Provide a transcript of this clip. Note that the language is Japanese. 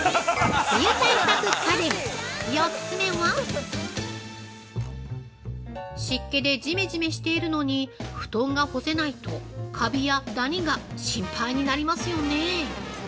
◆梅雨対策家電、４つ目は湿気でじめじめしているのに布団が干せないと、かびやダニが心配になりますよね。